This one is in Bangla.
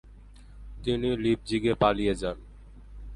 তিনি লিপজিগে পালিয়ে যান।